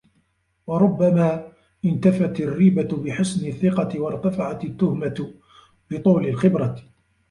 وَرُبَّمَا انْتَفَتْ الرِّيبَةُ بِحُسْنِ الثِّقَةِ وَارْتَفَعَتْ التُّهْمَةُ بِطُولِ الْخِبْرَةِ